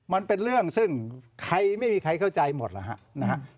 มันเป็นเรื่องซึ่งใครไม่มีใครเข้าใจหมดแล้วฮะนะฮะ